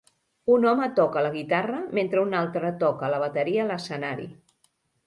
Un home toca la guitarra mentre un altre toca la bateria a l'escenari.